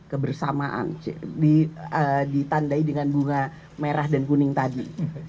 kebersamaan ditandai dengan bunga merah dan kuning tadi